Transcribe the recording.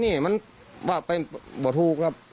เกินกว่าเหตุ